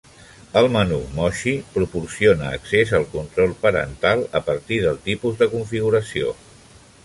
El menú Moxi proporciona accés al control parental a partir del tipus de configuració.